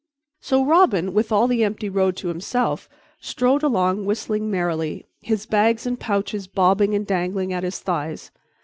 So Robin, with all the empty road to himself, strode along whistling merrily, his bags and pouches bobbing and dangling at his thighs.